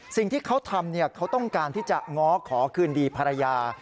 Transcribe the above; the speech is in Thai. สิ่งที่เขาทำเขาต้องการที่จะง้อขอคืนดีภรรยา